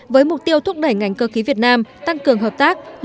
với mục tiêu thúc đẩy ngành cơ khí việt nam tăng cường hợp tác